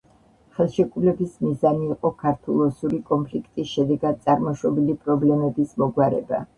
ხელშეკრულების მიზანი იყო ქართულ-ოსური კონფლიქტის შედეგად წარმოშობილი პრობლემების მოგვარება.